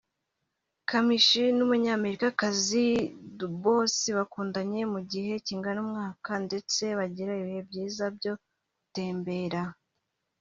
Kamichi n’Umunyamerikakazi Dubois bakundanye mu gihe kingana n’umwaka ndetse bagira ibihe byiza byo gutembera